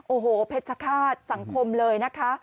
โอ้โหเพชรฆาตสังคมเลยนะคะ